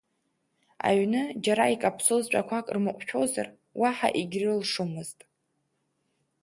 Аҩны, џьара икаԥсоз ҵәақәак рмыҟәшәозар уаҳа егьрылшомызт.